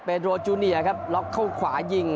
เพดอลจูนีอร์ครับล็อคเข้าขวายิง